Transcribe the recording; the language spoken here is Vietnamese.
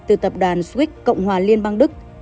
từ tập đoàn swiss cộng hòa liên bang đức